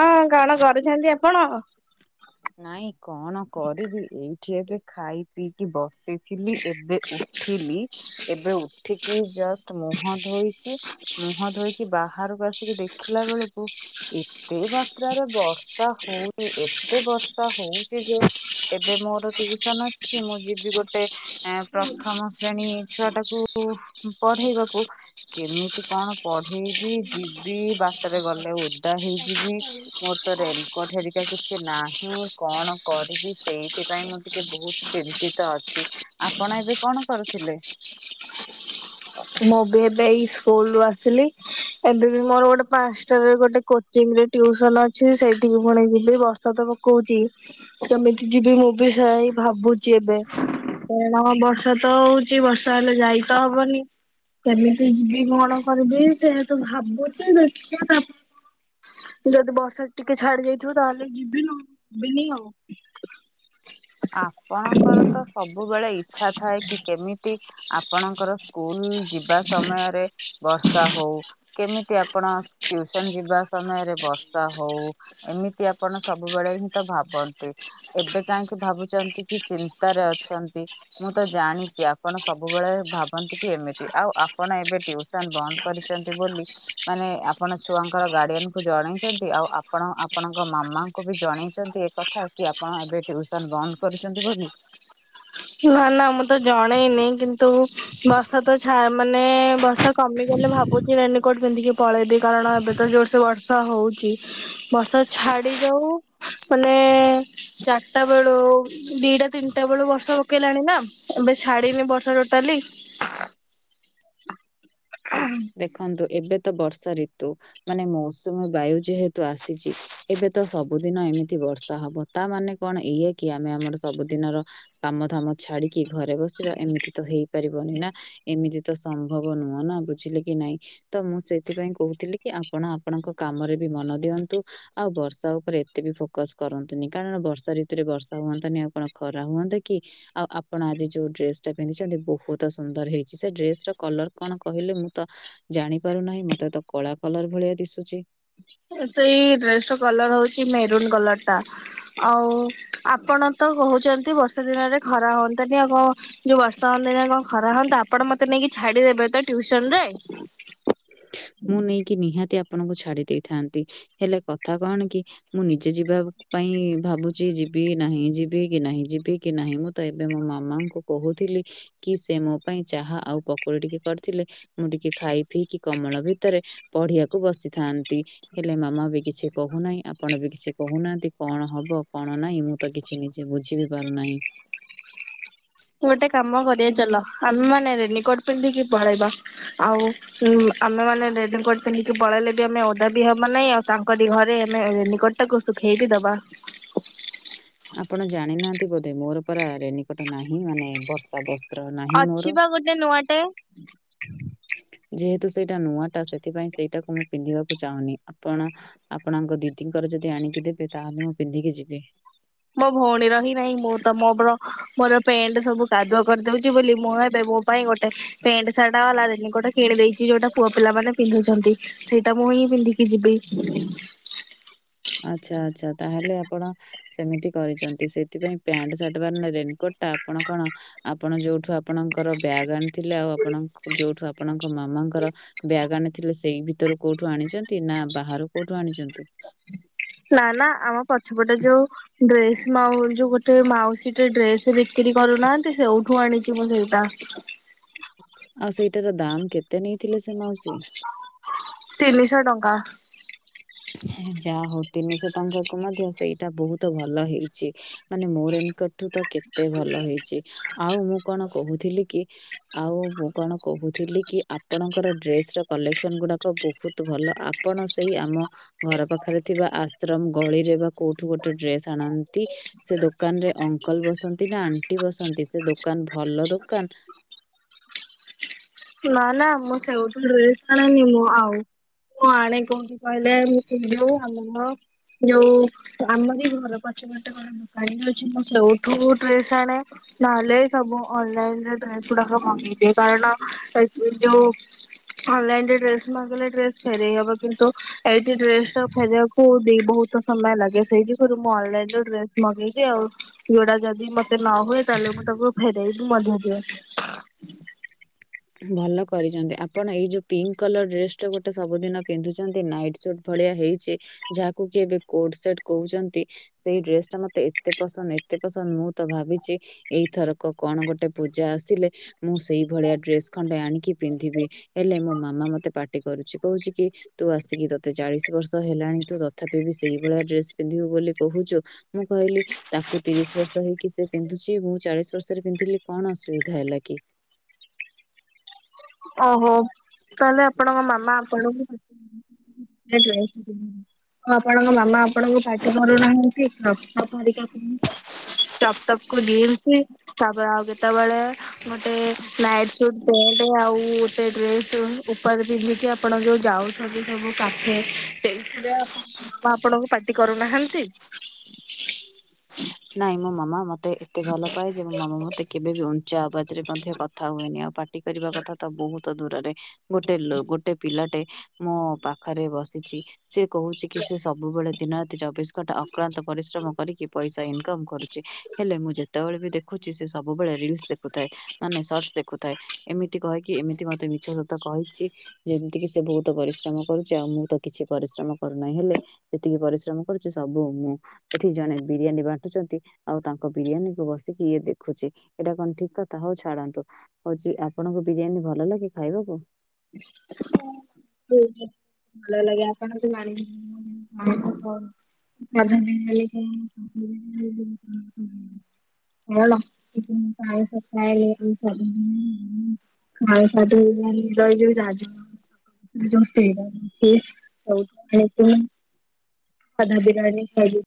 ହଁ କଣ କରିଛନ୍ତି ଆପଣ ନାଇଁ କଣ କରିବି ଏଇଠି ଏବେ ଖାଇ ପିଇକି ବସି। ଥିଲି ଏବେ ଉଠିଲି ଏବେ ଉଠିକି ଜଷ୍ଟ ମୁହଁ ଧୋଇଛି। ମୁହଁ ଧୋଇକି ବାହାରକୁ ଆସିକି ଦେଖିଲା ବେଳକୁ। ଏତେ ମାତ୍ରାରେ ବର୍ଷା ହଉନି ଏତେ ବର୍ଷା ହଉଛି ଯେ ଏବେ ମୋର ଟିଉସନ ଅଛି ମୁଁ ଯିବି ଗୋଟେ। ଏ ପ୍ରଥମ ଶ୍ରେଣୀ ଛୁଆ ଟାକୁ ପଢେଇବାକୁ କେମିତି କଣ ପଢ଼େଇବି ଯିବି ବାଟରେ ଗଲେ ଓଦା ହେଇଯିବି। ମୋର୍ ତ ରେଙ୍କ ଠେରିକା କିଛି। କି ନାହିଁ କଣ କରିବି ସେଇଥିପାଇ ମୁଁ ଟିକେ ବହୁତ ଚିନ୍ତିତ ଅଛି। ଆପଣ ଏବେ କଣ କରୁଥିଲେ। ମୁଁ ବି ଏବେ ଏଇ ସ୍କୁଲ ରୁ ଆସିଲି। ଏବେ ବି ମୋର ଗୋଟେ ପାଞ୍ଚଟାରେ ଗୋଟେ କୋଚିଂରେ ଟିସନ ଅଛି ସେଇଠିକି ପଣେଇ ଯିବି ବର୍ଷ ତ। କହୁଛି ତମିତି ଯିବି ମୁଁ ବି ସାଇ ଭାବୁଛି ଏବେ। କାରଣ ବର୍ଷା ତ ହଉଛି ବର୍ଷା ହେଲେ ଯାଇ ତ ହବନି। କେମିତି ଯିବି କଣ କରିବି ସେ ତୁ ଭାବୁଛି ଦେଖିବା ତାପରେ। ଯଦି ବର୍ଷା ଟିକେ ଛାଡି ଯାଇଥିବ ତାହେଲେ ଯିବିନ ଯିବିନି ଆଉ ଆପଣଙ୍କର ତ ସବୁବେଳେ ଇଚ୍ଛା ଥାଏ କି କେମିତି ଆପଣଙ୍କର ସ୍କୁଲ ଯିବା ସମୟରେ ବର୍ଷା ହଉ। କେମିତି ଆପଣ ଟୁସନ ଯିବା ସମୟରେ ବର୍ଷା ହଉ। ଏମିତି ଆପଣ ସବୁବେଳେ ହିଁ ତ ଭାବନ୍ତି ଏବେ। କାହିଁକି ଭାବୁଛନ୍ତି କି ଚିନ୍ତାରେ ଅଛନ୍ତି। ମୁଁ ତ ଜାଣିଛି ଆପଣ ସବୁବେଳେ ଭାବନ୍ତି କି ଏମିତି ଆଉ ଆପଣ ଏବେ ଟିଉସନ ବନ୍ଦ। କରିଛନ୍ତି ବୋଲି ମାନେ ଆପଣ ଛୁଆଙ୍କର ଗାର୍ଡିଆନ କୁ ଜଣେଇଛନ୍ତି ଆଉ ଆପଣ ଆପଣଙ୍କ ମାମାଙ୍କୁ ବି ଜଣେଇଛନ୍ତି ଏଥା। ଆପଣ ଏବେ ଟ୍ୟଉସନ ବନ୍ଦ କରୁଛନ୍ତି ବୋଲି। ନା ନା ମୁଁ ତ ଜଣେଇନି କିନ୍ତୁ ବର୍ଷା ତ ଛା ମାନେ ବର୍ଷା କମିଗଲେ ଭାବୁଛି ରେନକୋଟ ପିନ୍ଧିକି ପଳେଇବି କାରଣ ଏବେ ତ ଜୋର ସେ ବର୍ଷା ହୋଉଚି। ବର୍ଷା ଛାଡି ଯାଉ ମାନେ ଚାରିଟା ବେଳୁ ଦିଟା ତିନିଟା ବେଳୁ ବର୍ଷା ପକେଇଲାଣି ନା ଏବେ ଛାଡିିନି ବର୍ଷା ଟୋଟାଲି। ଦେଖନ୍ତୁ ଏବେ ତ ବର୍ଷା ଋତୁ। ମାନେ ମୌସୁମୀ ବାୟୁ ଯେହେତୁ ଆସିଛି ଏବେ ତ ସବୁଦିନ ଏମିତି ବର୍ଷା ହବ। ତା ମାନେ କଣ ଇଏ କି ଆମେ ଆମର ସବୁଦିନର କାମ ଧାମ ଛାଡିକି ଘରେ ବସିବା ଏମିତି ତ ହେଇପାରିବନି ନା ଏମିତି ତ ସମ୍ଭବ ନୁହଁ ନା। ବୁଝିଲେ କି ନାଇଁ? ତ ମୁଁ ସେଥିପାଇଁ କହୁଥିଲି କି ଆପଣ ଆପଣଙ୍କ କାମରେ ବି ମନ ଦିଅନ୍ତୁ ଆଉ ବର୍ଷା ଉପରେ ଏତେ ବି ଫୋକସ କରନ୍ତୁନି କାରଣ ବର୍ଷା ଋତୁରେ ବର୍ଷା ହୁଅନ୍ତାନି ଆଉ କଣ ଖରା ହୁଅନ୍ତା କି? ଆଉ ଆପଣ ଆଜି ଯୋଉ ଡ୍ରେସ ଟା ପିନ୍ଧିଛନ୍ତି ବହୁତ ସୁନ୍ଦର ହେଇଛି ସେ ଡ୍ରେସ କଲର କଣ? କହିଲେ ମୁଁ ତ ଜାଣି ପାରୁନାହିଁ ମତେ ତ କଳା କଲର ଭଳିଆ ଦିଶୁଛି। ସେଇ ଡ୍ରେସ ର କଲର ହୋଉଚି ମେରୁନ୍ କଲର ଟା ଆଉ ଆପଣ ତ କହୁଛନ୍ତି ବର୍ଷା ଦିନରେ ଖରା ହୁଅନ୍ତାନି ଆଉ କଣ ଯୋଉ ବର୍ଷାମାନେ ଏଇନା କଣ ଖରା ହୁଅନ୍ତା ଆପଣ ମତେ ନେଇକି ଛାଡିଦେବେ ତ ଟ୍ୟୁସନ ରେ। ମୁଁ ନେଇକି ନିହାତି ଆପଣଙ୍କୁ ଛାଡି ଦେଇଥାନ୍ତି। ହେଲେ କଥା କଣ କି ମୁଁ ନିଜେ ଯିବା ପାଇଁ ଭାବୁଛି ଯିବି ନାହିଁ ଯିବି କି ନାହିଁ ଯିବି କି ନାହିଁ ମୁଁ ତ ଏବେ ମୋ ମାମାଙ୍କୁ କହୁଥିଲି। କି ସେ ମୋ ପାଇଁ ଚାହା ଆଉ ପକୋଡ଼ି ଟିକେ କରିଥିଲେ ମୁଁ ଟିକେ ଖାଇ ଫିକି କମଳ ଭିତରେ ପଢିବାକୁ ବସିଥାନ୍ତି। ହେଲେ ମାମା ବି କିଛି କହୁନାହିଁ ଆପଣ ବି କିଛି କହୁନାହାନ୍ତି କଣ ହବ କଣ ନାହିଁ ମୁଁ ତ କିଛି ନିଜେ ବୁଝି ବି ପାରୁନାହିଁ। ଗୋଟେ କାମ କରିବା ଚାଲ ଆମେ ମାନେ ରେନିକୋଟ ପିନ୍ଧିକି ପଳେଇବା। ଆଉ ହୁଁ ଆମେ ମାନେ ରେନିକୋଟ ପିନ୍ଧିକି ପଳେଇଲେ ବି ଆମେ ଓଦା ବି ହବ ନାହିଁ ଆଉ ତାଙ୍କରି ଘରେ ଆମେ ରେନିକୋଟ ତାକୁ ଶୁଖେଇକି ଦବା। ଆପଣ ଜାଣିନାହାନ୍ତି ବୋଧେ ମୋର ପରା ରେନିକୋଟ ନାହିଁ ମାନେ ବର୍ଷା ବର୍ଷା। ଅଛି ବା ଗୋଟେ ନୂଆଟେ। ଯେହେତୁ ସେଇଟା ନୂଆ ଟା ସେଥିପାଇଁ ସେଇଟାକୁ ମୁଁ ପିନ୍ଧିବାକୁ ଚାହୁଁନି। ଆପଣ ଆପଣଙ୍କ ଦିଦିଙ୍କର ଯଦି ଆଣିକି ଦେବେ ତାହେଲେ ମୁଁ ପିନ୍ଧିକି ଯିବି। ମୋ ଭଉଣୀର ହିଁ ନାହିଁ ମୁଁ ତ ମୋର ମୋର ପେଣ୍ଟ ସବୁ କାଦୁଆ କରିଦଉଛି ବୋଲି ମୁଁ ଏବେ ମୋ ପାଇଁ ଗୋଟେ ପେଣ୍ଟ ସାଟ ଗଲା ଦେନ୍ ଗୋଟେ କିଣି ଦେଇଛି ଯୋଉଟା ପୁଅ ପିଲାମାନେ ପିନ୍ଧୁଛନ୍ତି ସେଇଟା ମୁଁ ହିଁ ପିନ୍ଧିକି ଯିବି। ଆଚ୍ଛା ଆଚ୍ଛା ତାହେଲେ ଆପଣ ସେମିତି କରିଛନ୍ତି ସେଥିପାଇଁ ପ୍ୟାଣ୍ଟ ସାର୍ଟ ବାର ରେନକୋଟ ଟା ଆପଣ କଣ ଆପଣ ଯୋଉଠୁ ଆପଣଙ୍କର ବ୍ୟାଗ ଆଣିଥିଲେ ଆଉ ଆପଣ ଯୋଉଠୁ ଆପଣଙ୍କ ମାମାଙ୍କର ବ୍ୟାଗ ଆଣିଥିଲେ ସେଇ ଭିତରୁ କୋଉଠୁ ଆଣିଛନ୍ତି ନା ବାହାରୁ କୋଉଠୁ ଆଣିଛନ୍ତି? ନା ନା ଆମ ପଛପଟେ ଯୋଉ ଡ୍ରେସ୍‌ ମାଉ ଯୋଉ ଗୋଟେ ମାଉସୀ ଟେ ଡ୍ରେସ୍‌ ବିକ୍ରି କରୁନାହାନ୍ତି ସେଉଠୁ ଆଣିଛି ମୁଁ ସେଇଟା। ଆଉ ସେଇଟାର ଦାମ୍ କେତେ ନେଇଥିଲେ ସେ ମାଉସୀ? ତିନିଶହ ଟଙ୍କା। ଯାହା ହଉ ତିନିଶହ ଟଙ୍କାକୁ ମଧ୍ୟ ସେଇଟା ବହୁତ ଭଲ ହେଇଛି। ମାନେ ମୋର ଇନକ ଠୁ ତ କେତେ ଭଲ ହେଇଛି ଆଉ ମୁଁ କଣ କହୁଥିଲି କି ଆଉ ମୁଁ କଣ କହୁଥିଲି କି ଆପଣଙ୍କର ଡ୍ରେସ ର କଲେକ୍ସନ ଗୁଡାକ ବହୁତ ଭଲ ଆ ଆପଣ ସେଇ ଆମ ଘର ପାଖରେ ଥିବା ଆଶ୍ରମ ଗଳିରେ ବା କୋଉଠୁ ଗୋଟେ ଡ୍ରେସ ଆଣନ୍ତି। ସେ ଦୋକାନ ରେ ଅଙ୍କଲ ବସନ୍ତି ନା ଆଣ୍ଟି ବସନ୍ତି ସେ ଦୋକାନ ଭଲ ଦୋକାନ। ନା ନା ମୁଁ ସେଇଠୁ ଡ୍ରେସ ଆଣେନି ମୁଁ ଆଉ ମୁଁ ଆଣେ କୋଉଠି କହିଲେ ମୁଁ ପିନ୍ଧୁ ଆମ ଘ ଯୋଉ ଆମ ଘର ପଛପଟ ମୁଁ କାଲି ଯାଉଛି ମୁ ସେଇଠୁ ଡ୍ରେସ ଆଣେ ନହେଲେ ସବୁ ଅନ୍ଇନରେ ଡ୍ରେସଗୁଡ଼ାକ କମ୍ପ୍ଲିଟ କାରଣ ଯୋଉ ଅନଲାଇନରେ ଡ୍ରେସ ମାଗିଲେ ଡ୍ରେସ ଫେରଇ ହବ କିନ୍ତୁ ଏଇଠି ଡ୍ରେସ ଟା ଫେରେଇବାକୁ ହଉ ଦେଇ ବହୁତ ସମୟ ଲାଗେ ସେଇଠରୁ ମୁଁ ଅନଲାଇନ ଡ୍ରେସ ମଗେଇଛିି ଆଉ ଯଉଟା ଯଦି ମ ମତେ ନ ହୁଏ ତାହେଲେ ତାକୁ ଫେରଇ ବି ମଧ୍ୟ ଦିଏ। ଭଲ କରିଛନ୍ତି ଆପଣ ଏଇ ଯୋଉ ପିଙ୍କ କଲର ଡ୍ରେସ ଟା ଗୋଟେ ସବୁଦିନ ପିନ୍ଧୁଛନ୍ତି ନାଇଟ୍ ସୁଟ ବଢ଼ିଆ ହେଇଛି ଯାହାକୁ କି ଏବେ କୋଟ ସେଟ କହୁଛନ୍ତି। ସେଇ ଡ୍ରେସ ଟା ମତେ ଏତେ ପସନ୍ଦ ଏତେ ପସନ୍ଦ ମୁଁ ତ ଭାବିଛି ଏଇଥରକ କଣ ଗୋଟେ ପୂଜା ଆସିଲେ ମୁଁ ସେଇ ଭଳିଆ ଡ୍ରେସ ଖଣ୍ଡେ ଆଣିକି ପିନ୍ଧିବି ହେଲେ ମୋ ମାମା ମତେ ପାଟି କରୁଛି କହୁଛି କି ତୁ ଆସିକି ତତେ ଚାଳିଶ ବର୍ଷ ହେଲାଣି ତୁ ତଥାପି ବି ସେଇଭଳିଆ ଡ୍ରେସ ପିନ୍ଧିବୁ ବୋଲି କହୁଛୁ। ମୁଁ କହିଲି ତାଙ୍କୁ ତିରିଶ ବର୍ଷ ହେଇକି ସେ ପିନ୍ଧୁଛି ମୁଁ ଚାଳିଶ ବର୍ଷରେ ପିନ୍ଧିଲି କଣ ଅସୁବିଧା ହେଲା କି। ଓହୋ ତାହେଲେ ଆପଣଙ୍କ ମାମା ଆପଣଙ୍କୁ [inaudible] ଆଉ ଆପଣଙ୍କ ମାମା ଆପଣଙ୍କୁ ପାଟି ପରୁନାହାନ୍ତି [inaudible] ପରିକା ପିନ୍ଧୁଛ। ଟପ ଟପ କୁ ଜିନ୍ସ। ତାପରେ ଆଉ କେତେବେଳେ ଗୋଟେ ନାଇଟ ସୁଟ ପେଣ୍ଟ ଆଉ ଗୋଟେ ଡ୍ରେସ୍ ଉପରେ ପିନ୍ଧିକି ଆପଣ ଯୋଉ ଯାଉଛନ୍ତି ସବୁ କାଠେ ସେଥିରେ ଆପଣ ଆପଣଙ୍କୁ ପାଟି କରୁନାହାନ୍ତି। ନାଇଁ ମୋ ମାମା ମତେ ଏତେ ଭଲ ପାାଏ ଯେ ମୋ ମାମା ମତେ କେବେ ବି ଉଞ୍ଚା ଆବାଜ ରେ ମଧ୍ୟ କଥା ହୁଏନି ଆଉ ପାଟି କରିବା କଥା ତ ବହୁତ ଦୂରରେ। ଗୋଟେ ଲୋ ଗୋଟେ ପିଲାଟେ ମୋ ପାଖରେ ବସିଛି। ସେ କହୁଛି କି ସେ ସବୁବେଳେ ଦିନ ରାତି ଚବିଶ ଘଣ୍ଟା ଅକ୍ଲାନ୍ତ ପରିଶ୍ରମ କରିକି ପଇସା ଇନ ଇନକମ କରୁଛି ହେଲେ ମୁଁ ଯେତେବେଳେ ବି ଦେଖୁଛି ସେ ସବୁବେଳେ ରିଲସ୍ ଦେଖୁଥାଏ। ମାନେ ସର୍ଟସ ଦେଖୁଥାଏ। ଏମିତି କହିକି ଏମିତି ମତେ ମିଛ ସତ କହିଛି ଯେମିତି କିି ସେ ବହୁତ ପରିଶ୍ରମ କରୁଛି ଆଉ ମୁଁ ତ କିଛି ପରିଶ୍ରମ କରୁନାହିଁ ହେଲେ ଯେତିକି ପରିଶ୍ରମ କରୁଛି ସବୁ ମୁଁ ଏଠି ଜଣେ ବିରିୟାନୀ ବା ବାଣ୍ଟୁଛନ୍ତି ଆଉ ତାଙ୍କ ବିରିୟାନୀ କୁ ବସିକି ଇଏ ଦେଖୁଛି ଏଇଟା କଣ ଠିକ କଥା ହଉ ଛାଡନ୍ତୁ। ହଉଛି ଆପଣଙ୍କୁ ବିରିୟାନୀ ଭଲ ଲାଗେ ଖାଇବାକୁ। ହଁ। ତ ଭଲ ଲାଗେ ଆପଣ [inaudible] ସାଧ ମି କ [inaudible] ହ କି ମୁ ପାଳ ସ କହଲେ [inaudible] ହାଇ ସାଧୁ ରହିଲ ସାଜୁ [inaudible] ଉଛି [inaudible] ସାଧା ବିରିଆଣୀ ବି ଖାଇଲି।